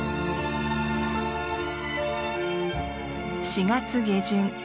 ４月下旬。